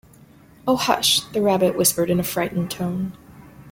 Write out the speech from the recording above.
‘Oh, hush!’ the Rabbit whispered in a frightened tone.